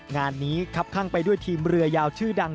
งานนี้ครับข้างไปด้วยทีมเรือยาวชื่อดัง